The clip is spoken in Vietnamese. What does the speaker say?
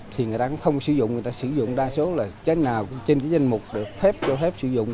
thì người ta cũng không sử dụng người ta sử dụng đa số là cái nào trên cái danh mục được phép cho phép sử dụng